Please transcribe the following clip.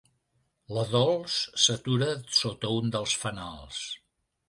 La Dols s'atura sota un dels fanals.